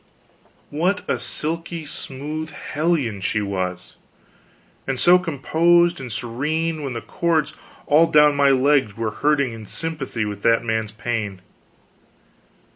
What a silky smooth hellion she was; and so composed and serene, when the cords all down my legs were hurting in sympathy with that man's pain.